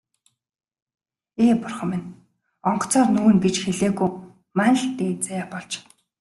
Ээ, бурхан минь, онгоцоор нүүнэ гэж хэлээгүй маань л дээд заяа болж.